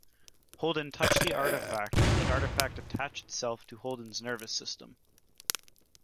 Holden touched the artifact and the artifact attached itself to Holden's nervous system.